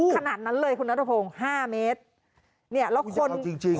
ขนาดนั้นเลยคุณนัทพงศ์ห้าเมตรเนี่ยแล้วคนจริงจริง